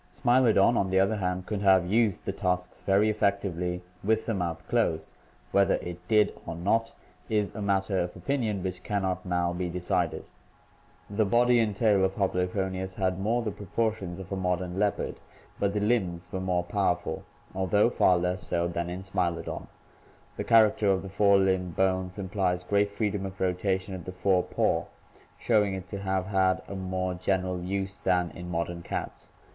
Smilo don, on the other hand, could have used the tusks very effectively with the mouth closed; whether it did or not is a matter of opinion which can not now be decided. The body and tail of Hoplophoneus had more the proportions of a modern leopard, but the limbs were more powerful, although far less so than in Smilodon. The char acter of the fore limb bones implies great freedom of rotation of the fore paw, showing it to have had a more general use than in modern cats.